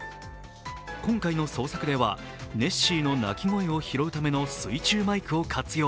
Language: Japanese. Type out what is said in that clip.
今回の捜索では、ネッシーの鳴き声を拾うための水中マイクを活用。